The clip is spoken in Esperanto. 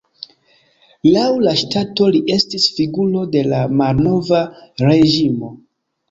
Laŭ la ŝtato li estis figuro de la malnova reĝimo.